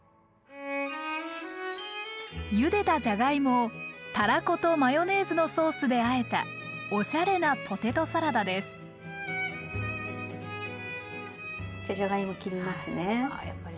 ゆでたじゃがいもをたらことマヨネーズのソースであえたおしゃれなポテトサラダですじゃあじゃがいも切りますね。